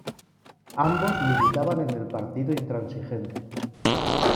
Ambos militaban en el Partido Intransigente.